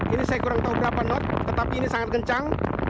ini saya kurang tahu berapa knot tetapi ini sangat kencang